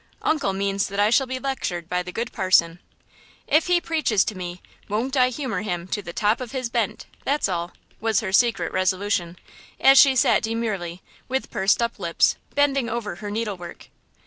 "Uncle means that I shall be lectured by the good parson. If he preaches to me, won't I humor him 'to the top of his bent?'–that's all," was her secret resolution, as she sat demurely, with pursed up lips, bending over her needle work.